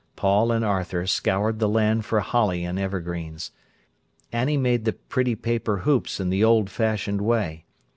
Paul and Arthur scoured the land for holly and evergreens. Annie made the pretty paper hoops in the old fashioned way.